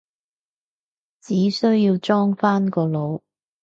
只需要裝返個腦？